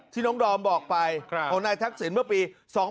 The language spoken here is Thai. ที่น้องดอมบอกไปของนายทักษิณเมื่อปี๒๕๕๙